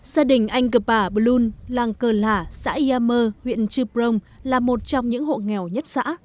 xác định anh cờ bà blun làng cờ lả xã yà mơ huyện trư prong là một trong những hộ nghèo nhất xã